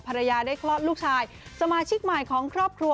ภรรยาได้คลอดลูกชายสมาชิกใหม่ของครอบครัว